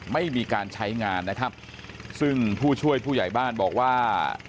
ไม่มีการใช้งานนะครับซึ่งผู้ช่วยผู้ใหญ่บ้านบอกว่า